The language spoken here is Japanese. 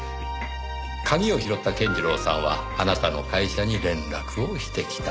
鍵を拾った健次郎さんはあなたの会社に連絡をしてきた。